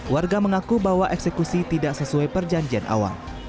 warga mengaku bahwa eksekusi tidak sesuai perjanjian awal